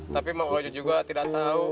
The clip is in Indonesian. tapi mang ojo juga tidak tahu